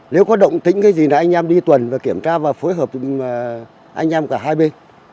nếu có động tĩnh cái gì là anh em đi tuần và kiểm tra và phối hợp anh em cả hai bên